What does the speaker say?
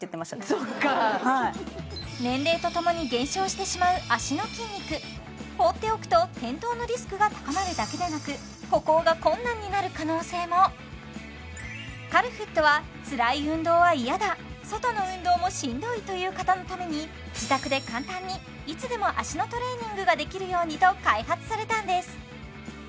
そっか年齢とともに減少してしまう脚の筋肉放っておくと転倒のリスクが高まるだけでなく歩行が困難になる可能性もカルフットはつらい運動は嫌だ外の運動もしんどいという方のために自宅で簡単にいつでも脚のトレーニングができるようにと開発されたんです